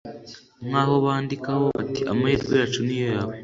nkaho bandikaho bati amahirwe yacu niyo yawe